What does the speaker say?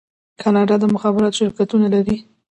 کاناډا د مخابراتو شرکتونه لري.